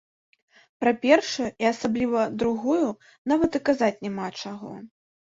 Пра першую і асабліва другую нават і казаць няма чаго.